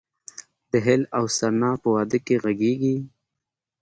دهل او سرنا په واده کې غږیږي؟